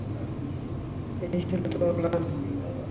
এই ছিল তোমার প্ল্যান?